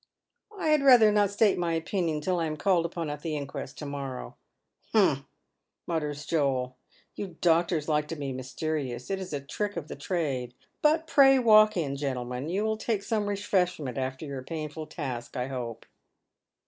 " I had rather not state my opinion till I am called upon at the inquest to morrow." " Humph," mutters Joel. " You doctors like to be mysterious. It is a trick of the trade. But pray walk in, gentlemen, you will take some refreshment after your painful task, I hope."